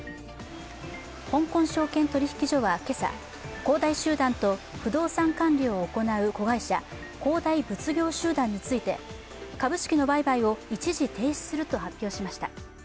香港証券取引所は今朝、恒大集団と不動産管理を行う子会社、恒大物業集団について、株式の売買を一時停止すると発表ました。